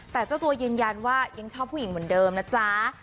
แต่เจ้าตัวยืนยันว่ายังชอบผู้หญิงเหมือนเดิมนะจ๊ะ